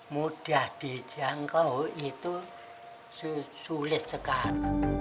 mudah dijangkau itu sulit sekali